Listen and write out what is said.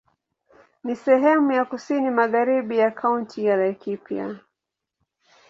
Ni sehemu ya kusini magharibi ya Kaunti ya Laikipia.